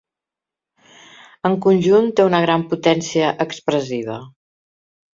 En conjunt té una gran potència expressiva.